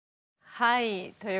はい。